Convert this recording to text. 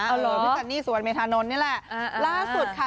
เอาเหรอพี่ซันนี่สุวรรณเมธานนท์นี่แหละล่าสุดค่ะ